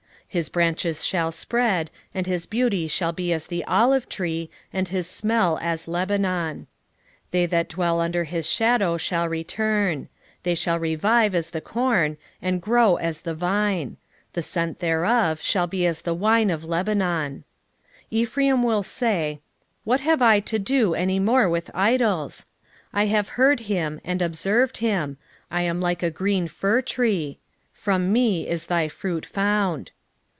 14:6 His branches shall spread, and his beauty shall be as the olive tree, and his smell as Lebanon. 14:7 They that dwell under his shadow shall return; they shall revive as the corn, and grow as the vine: the scent thereof shall be as the wine of Lebanon. 14:8 Ephraim shall say, What have I to do any more with idols? I have heard him, and observed him: I am like a green fir tree. From me is thy fruit found.